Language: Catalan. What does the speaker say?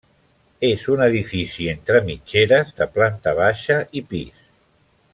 És un edifici entre mitgeres, de planta baixa i pis.